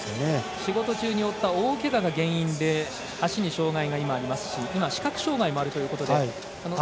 仕事中に負った大けがが原因で足に障がいがありますし視覚障がいもあるということです。